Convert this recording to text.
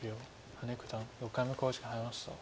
羽根九段６回目の考慮時間に入りました。